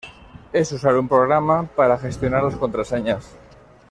es usar un programa para gestionar las contraseñas